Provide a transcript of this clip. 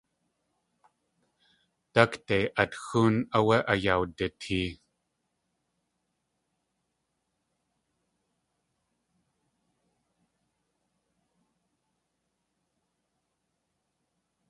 Dákde át xóon áwé ayawditee.